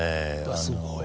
すごい。